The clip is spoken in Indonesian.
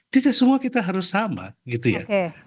tidak semua kita harus sama gitu ya